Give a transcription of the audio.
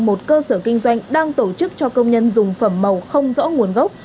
một cơ sở kinh doanh đang tổ chức cho công nhân dùng phẩm màu không rõ nguồn gốc